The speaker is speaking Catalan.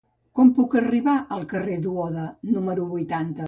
Com puc arribar al carrer de Duoda número vuitanta?